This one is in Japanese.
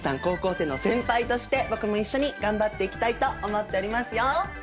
高校生の先輩として僕も一緒に頑張っていきたいと思っておりますよ。